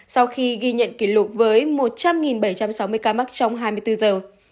sau khi ghi nhận kỷ lục với một trăm linh bảy trăm sáu mươi ca mắc trong hai mươi bốn giờ